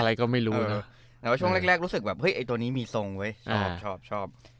แต่ว่าช่วงแรกรู้สึกแบบเฮ้ยไอ้ตัวนี้มีทรงเว้ยชอบ